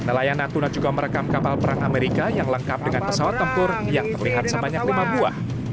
nelayan natuna juga merekam kapal perang amerika yang lengkap dengan pesawat tempur yang terlihat sebanyak lima buah